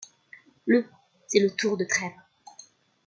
Le c'est le tour de Trèves.